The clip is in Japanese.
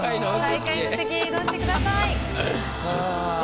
最下位の席へ移動してください。